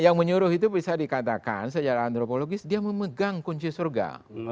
yang menyuruh itu bisa dikatakan secara antropologis dia memegang kunci surga